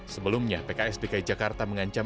sebelumnya pks dki jakarta mengancam